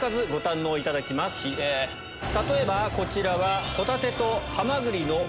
例えばこちらは。